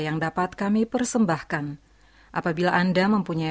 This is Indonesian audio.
salam kasih dan sejahtera